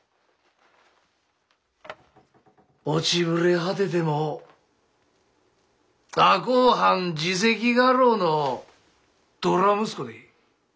落ちぶれ果てても赤穂藩次席家老のドラ息子でえ。